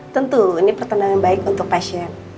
tentu ini pertanda yang baik untuk pasien